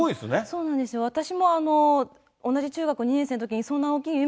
そうなんですよ、私も同じ中学２年生のときにそんな大きい夢